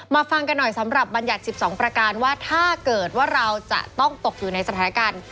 ฟังกันหน่อยสำหรับบัญญัติ๑๒ประการว่าถ้าเกิดว่าเราจะต้องตกอยู่ในสถานการณ์